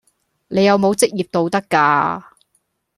你有冇職業道德㗎？